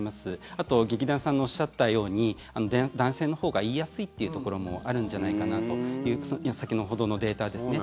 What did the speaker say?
あと劇団さんのおっしゃったように男性のほうが言いやすいっていうところもあるんじゃないかなという先ほどのデータですね。